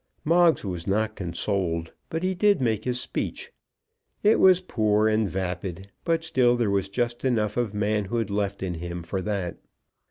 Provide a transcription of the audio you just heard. Moggs was not consoled, but he did make his speech. It was poor and vapid; but still there was just enough of manhood left in him for that.